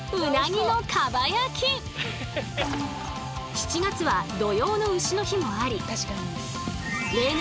７月は土用の丑の日もあり例年